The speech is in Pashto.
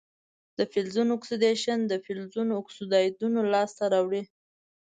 د فلزونو اکسیدیشن د فلزونو اکسایدونه لاسته راوړي.